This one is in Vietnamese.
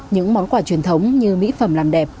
những món quà truyền thống như mỹ phẩm làm đẹp